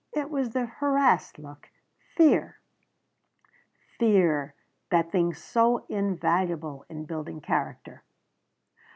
It was the harassed look. Fear. Fear that thing so invaluable in building character.